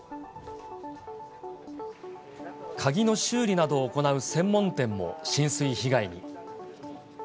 鍵の修理などを行う専門店も浸水被害に。